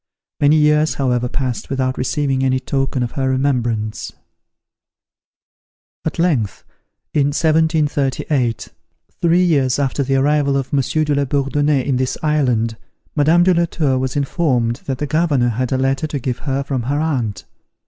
Many years, however passed without receiving any token of her remembrance. At length, in 1738, three years after the arrival of Monsieur de la Bourdonnais in this island, Madame de la Tour was informed that the Governor had a letter to give her from her aunt.